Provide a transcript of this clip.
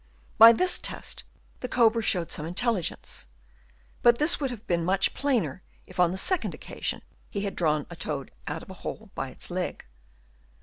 By this test the cobra showed some intelli gence ; but this would have been much plainer if on a second occasion he had drawn a toad out of a hole by its leg.